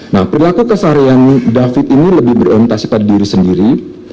nah perlaku kesaharian david ini lebih beromentasi pada diri sendiri